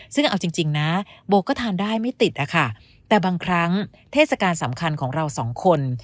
ซึ่งเอาจริงนะโบก็ทานได้ไม่ติดอะค่ะแต่บางครั้งเทศกาลสำคัญของเราสองคน